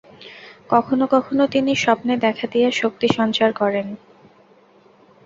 কখনও কখনও তিনি স্বপ্নে দেখা দিয়া শক্তি সঞ্চার করেন।